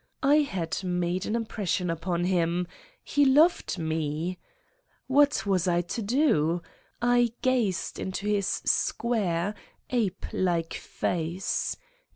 I had made an impression upon him. He loved me ! What was I to do ? I gazed into his square, ape like face.